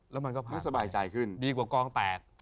แล้วมันก็ผ่านไปดีกว่ากลองแตน